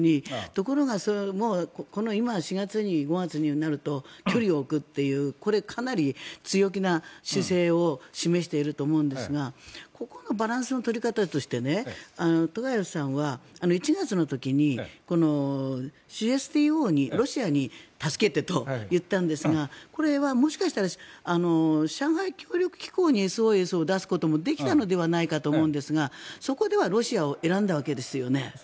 ところが今、４月、５月になると距離を置くというこれはかなり強気な姿勢を示していると思うんですがここのバランスの取り方としてトカエフさんは１月の時にＣＳＴＯにロシアに助けてと言ったんですがこれはもしかしたら上海協力機構にＳＯＳを出すこともできたのではないかと思うんですがそこではロシアを選んだわけですよね。